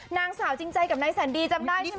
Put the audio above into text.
นางสาวจริงใจกับนายแสนดีจำได้ใช่ไหม